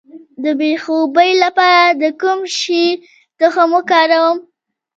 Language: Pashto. د بې خوبۍ لپاره د کوم شي تخم وکاروم؟